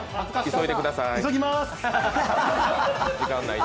急いでください。